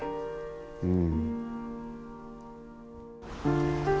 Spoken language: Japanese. うん。